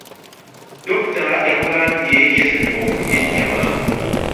Dokita yamugamba yesonyiwe okulya ennyama.